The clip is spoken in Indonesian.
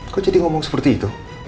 kok jadi ngomong seperti itu